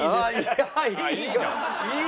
はい。